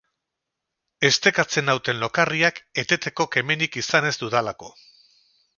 Estekatzen nauten lokarriak eteteko kemenik izan ez dudalako.